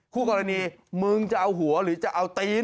คู่กรณีมึงจะเอาหัวหรือจะเอาตี